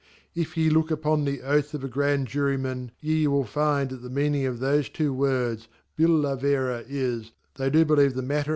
If ye Jook ufonlfy Oath of a Grand Jury wan, y<* will fi*>d that /Xy meatiing afthofietwo words Bdla Vera is, they do believe the matter